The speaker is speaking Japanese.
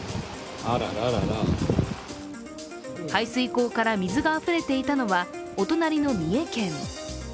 排水溝から水があふれていたのはお隣の三重県。